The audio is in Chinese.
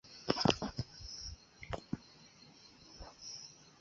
两侧为来自哈德良陵墓圣天使城堡的一对罗马的青铜孔雀。